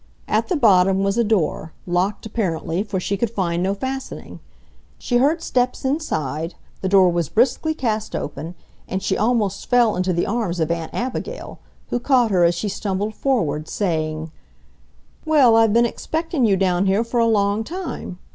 At the bottom was a door, locked apparently, for she could find no fastening. She heard steps inside, the door was briskly cast open, and she almost fell into the arms of Aunt Abigail, who caught her as she stumbled forward, saying: "Well, I've been expectin' you down here for a long time.